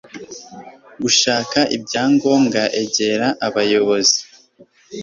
gushaka ibyangombwa Egera abayobozi